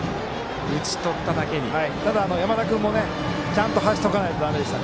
ただ山田君もちゃんと走っておかないといけません。